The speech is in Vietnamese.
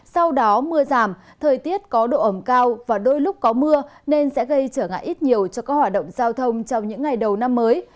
sau đó mưa giảm thời tiết có độ ẩm cao và đôi lúc có mưa nên sẽ gây trở ngại ít nhiều cho các hoạt động giao thông trong những ngày đầu năm mới